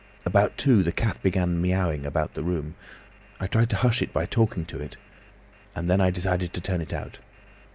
About two, the cat began miaowing about the room. I tried to hush it by talking to it, and then I decided to turn it out.